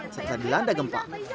setelah dilanda gempa